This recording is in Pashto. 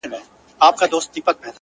په سپورږمۍ كي ستا تصوير دى ـ